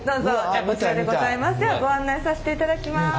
じゃあご案内させていただきます。